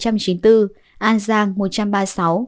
bình thuận một trăm ba mươi sáu